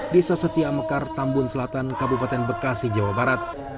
desa setia mekar tambun selatan kabupaten bekasi jawa barat